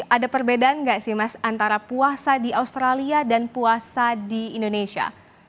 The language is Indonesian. ada perbedaan nggak sih mas antara puasa di australia dan puasa di indonesia